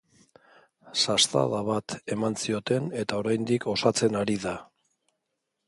Sastada bat eman zioten, eta oraindik osatzen ari da.